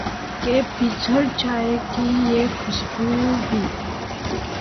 کہ بچھڑ جائے گی یہ خوش بو بھی